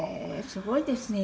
すごいですね。